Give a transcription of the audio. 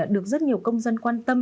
được rất nhiều công dân quan tâm